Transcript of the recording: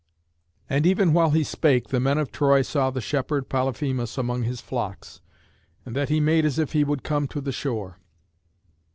And even while he spake the men of Troy saw the shepherd Polyphemus among his flocks, and that he made as if he would come to the shore.